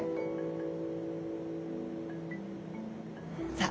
さあ